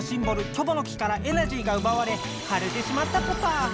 「キョボの木」からエナジーがうばわれかれてしまったポタ。